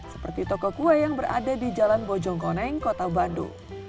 seperti toko kue yang berada di jalan bojongkoneng kota bandung